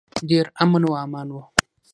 ډیر امن و امان و.